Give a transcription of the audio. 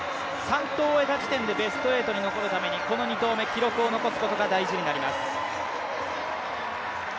３投を終えた時点でベスト８に残るためにこの２投目、記録を残すことが大事になります。